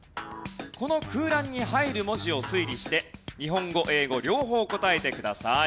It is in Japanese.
この空欄に入る文字を推理して日本語英語両方答えてください。